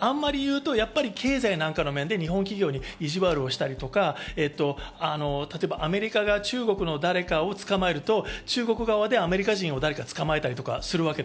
あまり言うと経済なんかの面で日本企業に意地悪をしたり、例えばアメリカが中国の誰かを捕まえると、中国側でアメリカ人を誰か捕まえたりするわけです。